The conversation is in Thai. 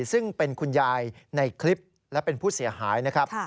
ซึ่งเป็นคุณยายในคลิปและเป็นผู้เสียหายนะครับ